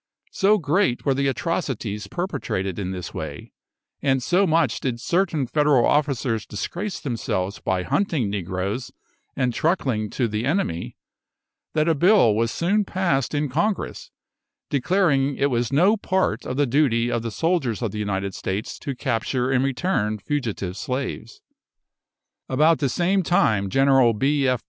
So great were the atrocities perpetrated in this way, and so much did certain Federal officers disgrace themselves by hunting negroes and truckling to the enemy, that a bill was soon passed in Congress, declaring it was no part of the duty of the soldiers of the United States to capture and return fugitive slaves. About the same time, General B. F.